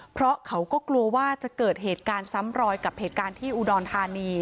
เพราะเขาก็กลัวว่าจะเกิดเหตุการณ์ซ้ำรอยกับเหตุการณ์ที่อุดรธานี